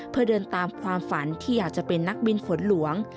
เพื่อเดินตามความฝันที่อยากจะเป็นนักบินฝนหลวง